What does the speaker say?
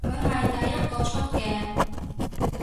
佢係第一個出嘅